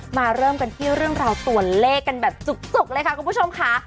เริ่มกันที่เรื่องราวตัวเลขกันแบบจุกเลยค่ะคุณผู้ชมค่ะ